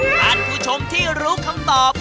ท่านผู้ชมที่รู้คำตอบ